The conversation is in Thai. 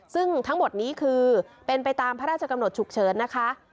ซึ่งทั้งหมดนี้คือเป็นไปตามพระราชกำหนดฉุกเฉินนะคะ